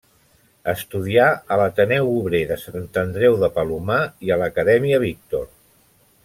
Estudià a l'Ateneu Obrer de Sant Andreu de Palomar i a l'Acadèmia Víctor.